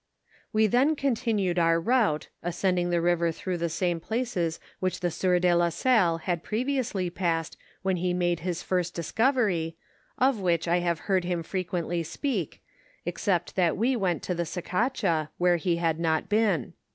"We then continued our route, ascending the river through the same places which the sieur de la Salle had previously passed when he made his first discovery, of which I have heard him frequently speak, except that we went to the Sica cha, where he had not been.